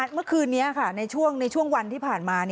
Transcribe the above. เมื่อคืนนี้ในช่วงวันที่ผ่านมา